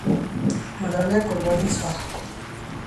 ملالۍ قرباني سوه.